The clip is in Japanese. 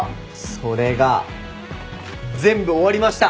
それが全部終わりました！